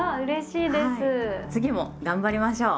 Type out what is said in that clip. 次も頑張りましょう！